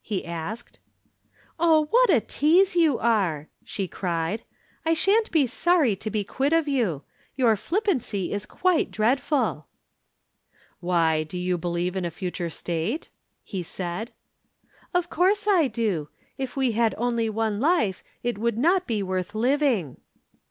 he asked. "Oh, what a tease you are!" she cried. "I shan't be sorry to be quit of you. Your flippancy is quite dreadful." "Why, do you believe in a future state?" he said. "Of course I do. If we had only one life, it would not be worth living."